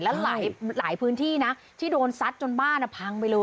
และหลายพื้นที่นะที่โดนซัดจนบ้านพังไปเลย